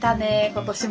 今年も。